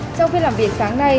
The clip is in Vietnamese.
trong khi làm việc tháng nay